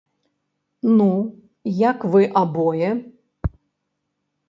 Ну як вы абое?